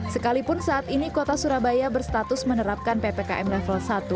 sekalipun saat ini kota surabaya berstatus menerapkan ppkm level satu